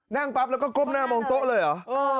นั่งปั๊บแล้วก็ก้มหน้ามองโต๊ะเลยเหรอ